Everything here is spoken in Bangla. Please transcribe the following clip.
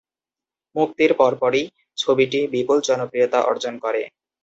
মুক্তির পরপরই ছবিটি বিপুল জনপ্রিয়তা অর্জন করে।